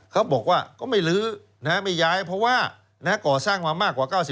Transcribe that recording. เขาบอกว่าก็ไม่ลื้อไม่ย้ายเพราะว่าก่อสร้างมามากกว่า๙๐